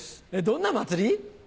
どんな祭り？